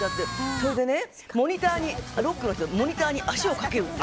それでね、ロックの人はモニターに足をかけるって。